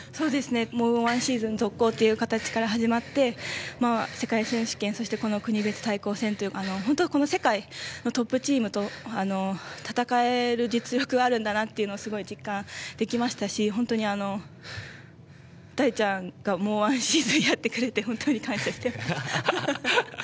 １シーズン続行という形から始まって世界選手権、そしてこの国別対抗戦という本当に世界のトップチームと戦える実力があるんだとすごい実感できましたし本当に、大ちゃんがもう１シーズンやってくれて本当に感謝しています。